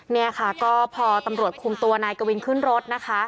เนี่ยค่ะก็พอตำรวจคุมตัวนายกวินขึ้นรถนะคะ